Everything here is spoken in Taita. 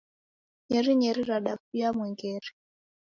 Nyerinyeri radafunya mwengere.